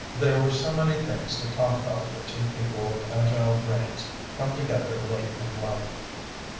There were so many things to talk about for two people of agile brains come together late in life.